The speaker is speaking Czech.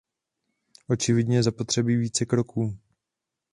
Očividně je zapotřebí více kroků.